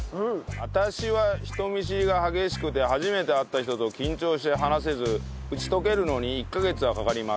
私は人見知りが激しくて初めて会った人と緊張し話せず打ち解けるのに１カ月はかかります。